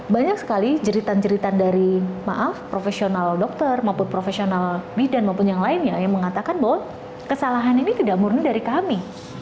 banyak sekali jeritan jeritan dari maaf profesional dokter maupun profesional bidan maupun yang lainnya yang mengatakan bahwa kesalahan ini tidak murni dari kami